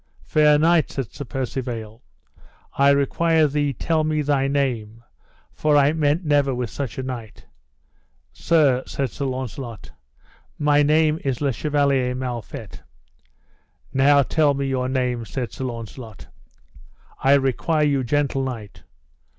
Fair knight, said Sir Percivale, I require thee tell me thy name, for I met never with such a knight. Sir, said Sir Launcelot, my name is Le Chevaler Mal Fet. Now tell me your name, said Sir Launcelot, I require you, gentle knight.